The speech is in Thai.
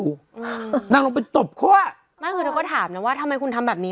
เขาก็บอกได้เป็นแบบ